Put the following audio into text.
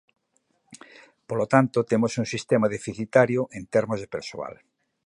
Polo tanto, temos un sistema deficitario en termos de persoal.